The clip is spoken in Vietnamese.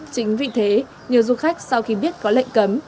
chính vì thế nhiều du khách sau khi biết có lệnh cấm